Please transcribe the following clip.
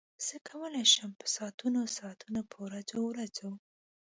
زه کولای شم په ساعتونو ساعتونو په ورځو ورځو.